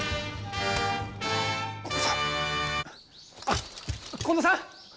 あっ近藤さん？